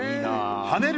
跳ねる